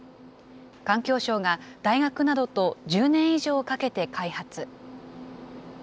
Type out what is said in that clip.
環境省が大学などと１０年以上かけて開発。